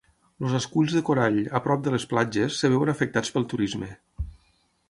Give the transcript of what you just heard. Els esculls de corall a prop de les platges es veuen afectats pel turisme.